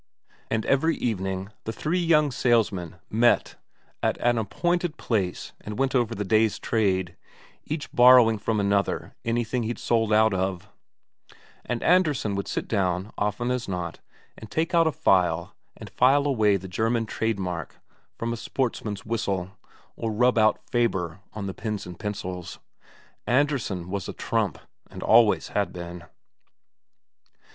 And every evening the three young salesmen met at an appointed place and went over the day's trade, each borrowing from another anything he'd sold out of; and Andresen would sit down, often as not, and take out a file and file away the German trade mark from a sportsman's whistle, or rub out "Faber" on the pens and pencils. Andresen was a trump, and always had been.